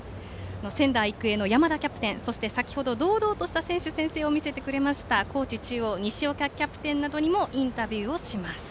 仙台育英の山田キャプテンそして先程、堂々とした選手宣誓を見せてくれました高知中央の西岡キャプテンなどにもインタビューをします。